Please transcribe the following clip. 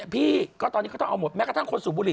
พี่ก็ตอนนี้เขาต้องเอาหมดแม้กระทั่งคนสูบบุหรี